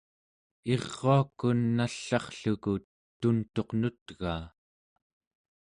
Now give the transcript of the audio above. iruakun nall'arrluku tuntuq nutgaa